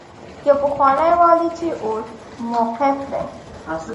يو پخوانی والي چې اوس موقوف دی.